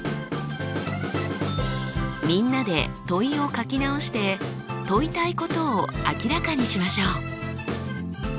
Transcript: みんなで問いを書き直して問いたいことを明らかにしましょう。